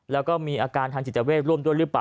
แล้วก็มีอาการทางจิตเวทร่วมด้วยหรือเปล่า